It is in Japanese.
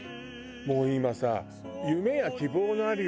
もう今さ。